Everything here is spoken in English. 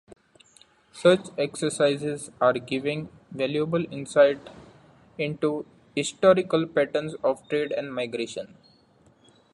Such exercises are giving valuable insight into historical patterns of trade and migration.